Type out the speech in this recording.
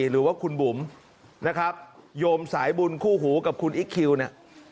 หรือว่าคุณบุ๋มนะครับโยมสายบุญคู่หูกับคุณอิ๊กคิวเนี่ย